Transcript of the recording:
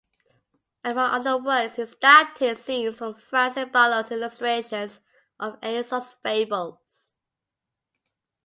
Among other works, he adapted scenes from Francis Barlow's illustrations of Aesop's Fables.